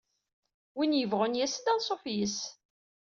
Win yebƔun yas-d, anṣuf yes.